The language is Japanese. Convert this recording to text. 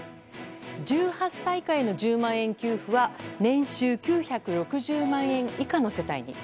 １８歳以下への１０万円給付は年収９６０万円以下の世帯に。